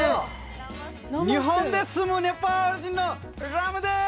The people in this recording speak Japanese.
日本で住むネパール人のラムです。